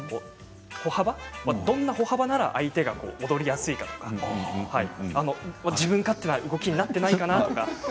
歩幅、どんな歩幅なら相手が踊りやすいかとか自分勝手な動きになっていないかなとか？